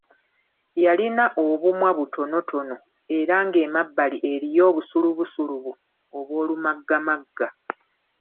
Yalina obumwa butonotono era ng’emabbali eriyo obusulubusulubu obw’olumaggamagga.